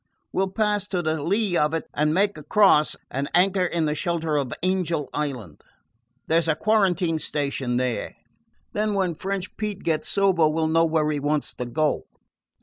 We 'll pass to the lee of it, and make across, and anchor in the shelter of Angel Island. There 's a quarantine station there. Then when French Pete gets sober we 'll know where he wants to go.